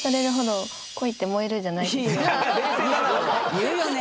言うよね。